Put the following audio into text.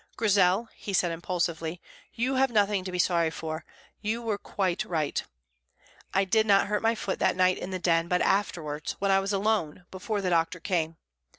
"Grizel," he said impulsively, "you have nothing to be sorry for. You were quite right. I did not hurt my foot that night in the Den, but afterwards, when I was alone, before the doctor came.